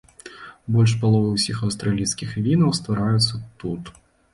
Больш паловы ўсіх аўстралійскіх вінаў ствараюцца тут.